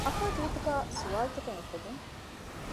އަފާގެ ހިތުގައި ސްވާލުތަކެއް އުފެދުން